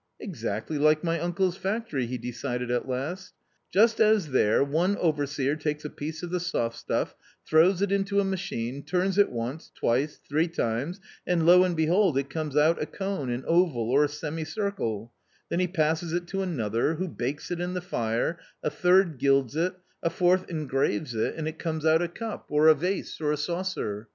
44 Exactly like my uncle's factory !" he decided at last : 44 Just as there one overseer takes a piece of the soft stuff, throws it into a machine, turns it once, twice, three times — and lo and behold it comes out a cone, an oval, or a semi circle ; then he passes it to another, who bakes it in the fire, a third gilds it, a fourth engraves it and it comes out a cup, A COMMON STORY 59 or a vase, or a saucer.